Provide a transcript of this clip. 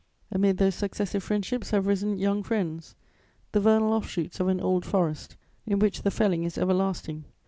Amid those successive friendships have risen young friends, the vernal offshoots of an old forest in which the felling is everlasting.